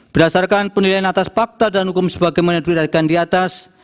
berdasarkan penilaian atas fakta dan hukum sebagaimana dihadirkan di atas